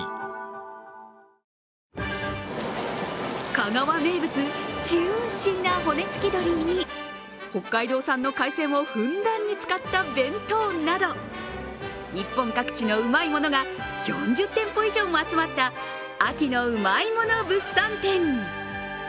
香川名物、ジューシーな骨付き鶏に北海道産の海鮮をふんだんに使った弁当など日本各地のうまいものが４０店舗以上も集まった秋のうまいもの物産展。